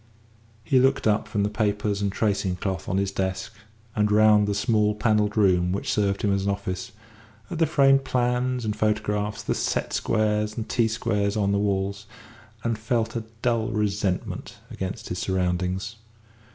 He looked up from the papers and tracing cloth on his desk, and round the small panelled room which served him as an office, at the framed plans and photographs, the set squares and T squares on the walls, and felt a dull resentment against his surroundings.